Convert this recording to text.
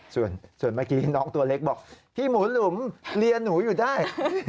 ส่วนเมื่อกี้น้องตัวเล็กบอกพี่หมูหลุมเรียนหนูอยู่ได้